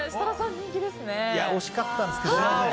惜しかったんですけどね。